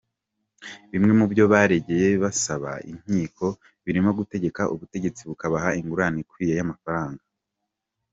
Bimwe mu byo baregeye basaba inkiko birimo gutegeka ubutegetsi bukabaha ingurane ikwiye y’amafaranga.